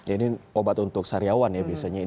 ini obat untuk sariawan ya biasanya